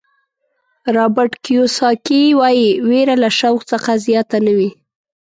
رابرټ کیوساکي وایي وېره له شوق څخه زیاته نه وي.